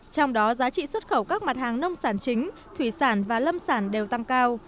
trong đó giá trị xuất khẩu các mặt hàng nông sản chính thủy sản và lâm sản đều tăng cao